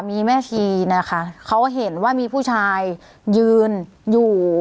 มีแม่ชีนะคะเขาเห็นว่ามีผู้ชายยืนอยู่